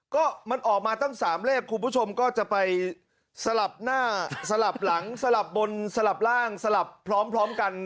ก็มันออกมาตั้ง๓เลขคุณผู้ชมก็จะไปสลับหน้าสลับหลังสลับบนสลับร่างสลับพร้อมกัน